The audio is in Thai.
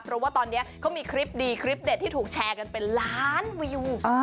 เพราะว่าตอนนี้เขามีคลิปดีคลิปเด็ดที่ถูกแชร์กันเป็นล้านวิว